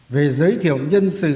về giới thiệu nhân sự